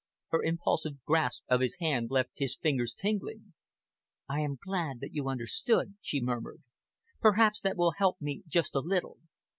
Her impulsive grasp of his hand left his fingers tingling. "I am glad that you understood," she murmured. "Perhaps that will help me just a little.